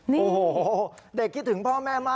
น้องเฮ้ยน้องเฮ้ย